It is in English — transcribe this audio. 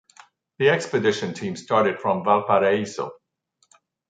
The expedition team started from Valparaíso.